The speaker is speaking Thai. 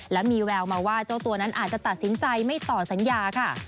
และมีแววมาว่าเจ้าตัวนั้นอาจจะตัดสินใจไม่ต่อสัญญาค่ะ